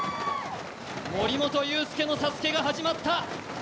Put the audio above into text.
森本裕介のＳＡＳＵＫＥが始まった。